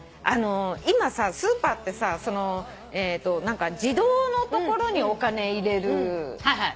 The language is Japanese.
今さスーパーってさ自動の所にお金入れる所があるじゃない？